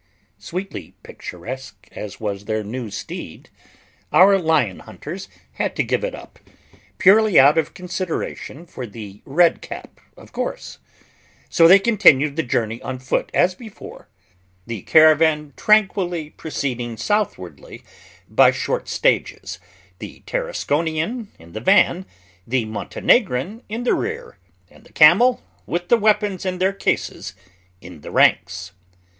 SWEETLY picturesque as was their new steed, our lion hunters had to give it up, purely out of consideration for the red cap, of course. So they continued the journey on foot as before, the caravan tranquilly proceeding southwardly by short stages, the Tarasconian in the van, the Montenegrin in the rear, and the camel, with the weapons in their cases, in the ranks.